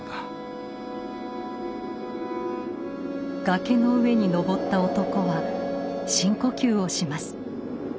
崖の上に登った男は深呼吸をします。